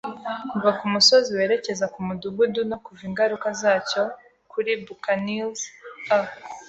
kuva kumusozi werekeza kumudugudu, no kuva ingaruka zacyo kuri buccaneers, a